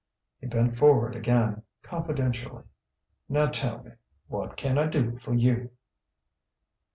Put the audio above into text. He bent forward again, confidentially. "Now tell me: what can I do for you?"